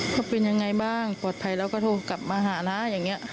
ว่าเป็นยังไงบ้างปลอดภัยแล้วก็โทรกลับมาหานะ